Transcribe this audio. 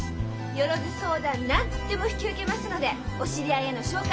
よろず相談何でも引き受けますのでお知り合いへの紹介